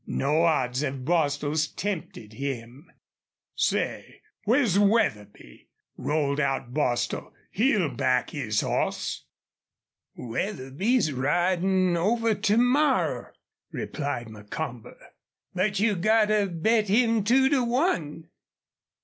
No odds of Bostil's tempted him. "Say, where's Wetherby?" rolled out Bostil. "He'll back his hoss." "Wetherby's ridin' over to morrow," replied Macomber. "But you gotta bet him two to one."